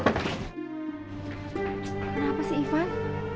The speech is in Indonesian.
kenapa sih iban